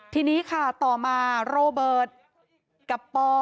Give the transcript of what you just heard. ทีนี้ค่ะต่อมาโรเบิร์ตกับปอ